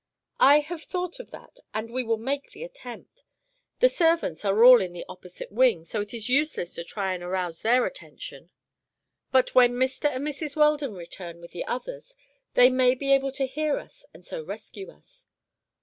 "I have thought of that and we will make the attempt. The servants are all in the opposite wing, so it is useless to try to arouse their attention; but when Mr. and Mrs. Weldon return, with the others, they may be able to hear us and so rescue us."